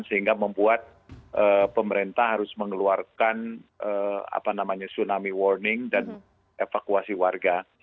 sehingga membuat pemerintah harus mengeluarkan tsunami warning dan evakuasi warga